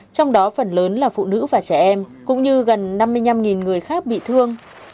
trong đó phần lớn là phụ nữ và trẻ em cũng như gần năm mươi năm người khác bị thương